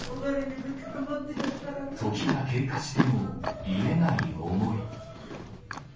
時が経過しても、癒えない思い。